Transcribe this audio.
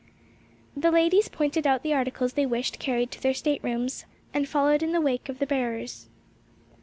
The ladies pointed out the articles they wished carried to their staterooms and followed in the wake of the bearers.